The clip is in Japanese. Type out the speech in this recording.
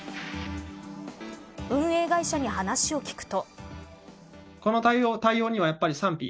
運営会社に話を聞くと。